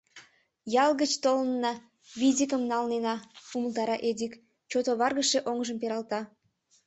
— Ял гыч толынна, видикым налнена, — умылтара Эдик, чот оваргыше оҥжым пералта.